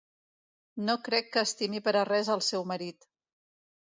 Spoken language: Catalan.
No crec que estimi per a res el seu marit.